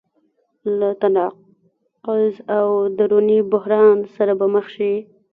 له تناقض او دروني بحران سره به مخ شي.